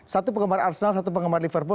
satu penggemar arsenal satu penggemar liverpoo